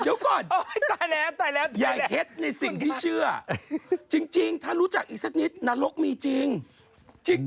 เดี๋ยวก่อนยายเฮ็ดในสิ่งที่เชื่อจริงถ้ารู้จักอีกสักนิดนรกมีจริงจริง